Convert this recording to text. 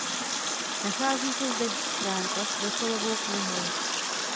Nachází se zde schránka s vrcholovou knihou.